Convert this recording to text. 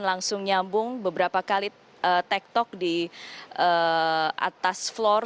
langsung nyambung beberapa kali tektok di atas floor